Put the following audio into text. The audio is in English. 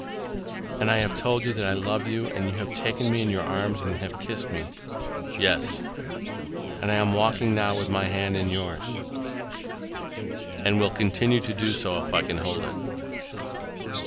"And I have told you that I love you, and you have taken me in your arms, and have kissed me—" "Yes." "And I am walking now with my hand in yours—" "And will continue to do so, if I can hold it."